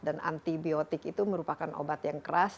dan antibiotik itu merupakan obat yang keras